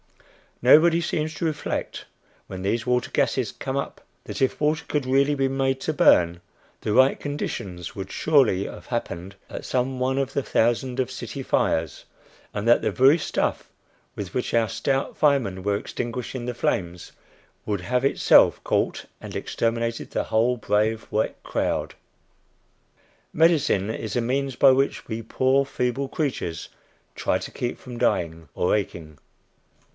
Nobody seems to reflect, when these water gases come up, that if water could really be made to burn, the right conditions would surely have happened at some one of the thousands of city fires, and that the very stuff with which our stout firemen were extinguishing the flames, would have itself caught and exterminated the whole brave wet crowd! Medicine is the means by which we poor feeble creatures try to keep from dying or aching.